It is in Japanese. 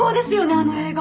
あの映画。